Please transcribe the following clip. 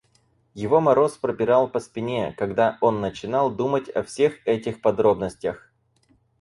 Его мороз пробирал по спине, когда он начинал думать о всех этих подробностях.